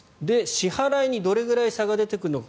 支払いにどれぐらい差が出てくるのか